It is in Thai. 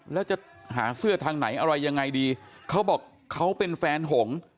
แล้วจะหาเสื้อทางไหนอะไรยังไงดีเขาบอกเขาเป็นแฟนหง